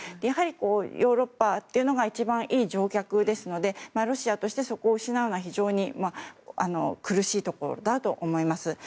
やはりヨーロッパというのが一番いい上客ですのでロシアとしてそこを失うのは非常に苦しいところだと思います。